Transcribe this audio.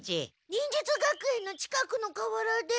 忍術学園の近くのかわらで。